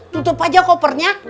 tutup aja kopernya